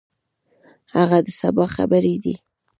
هغه د سبا خبرې دي.